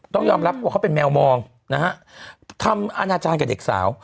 ต้องยอมรับว่าเขาเป็นแมวมองนะฮะทำอาณาจารย์กับเด็กสาว